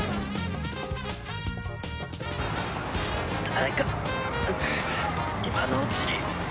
誰か今のうちに。